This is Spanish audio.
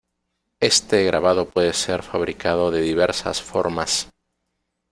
Éste grabado puede ser fabricado de diversas formas.